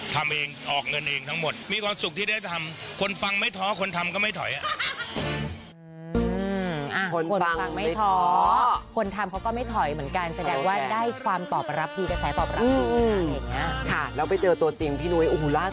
ทำเองออกเงินเองทั้งหมดมีความสุขที่ได้ทำคนฟังไม่ท้อคนทำก็ไม่ถอยอ่ะ